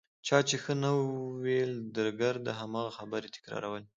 چا چې ښه نه ویل درګرده هماغه خبرې تکرارولې.